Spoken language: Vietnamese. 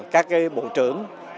các bộ trưởng